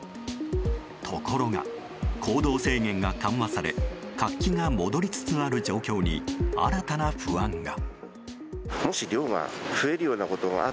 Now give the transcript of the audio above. ところが、行動制限が緩和され活気が戻りつつある状況に新たな不安が。